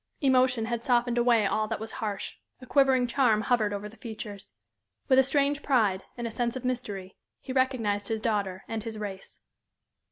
Emotion had softened away all that was harsh; a quivering charm hovered over the features. With a strange pride, and a sense of mystery, he recognized his daughter and his race.